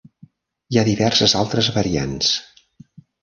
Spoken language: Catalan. Hi ha diverses altres variants.